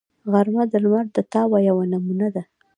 غرمه د لمر د تاو یوه نمونه ده